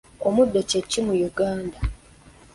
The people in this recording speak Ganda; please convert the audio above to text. Omuddo kye ki mu Uganda?